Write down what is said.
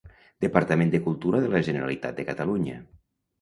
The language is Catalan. Departament de Cultura de la Generalitat de Catalunya.